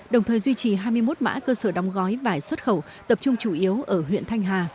đồng thời duy trì hai mươi một mã cơ sở đóng gói vải xuất khẩu tập trung chủ yếu ở huyện thanh hà